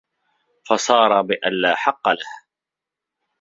فَصَارَ بِأَنْ لَا حَقَّ لَهُ